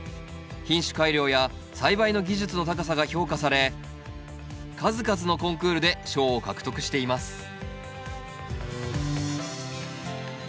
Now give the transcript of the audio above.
品種改良や栽培の技術の高さが評価され数々のコンクールで賞を獲得しています